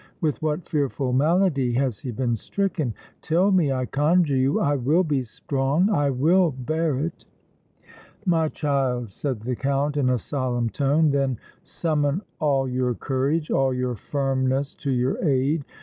With what fearful malady has he been stricken? Tell me, I conjure you! I will be strong I will bear it!" "My child," said the Count, in a solemn tone, "then summon all your courage, all your firmness to your aid!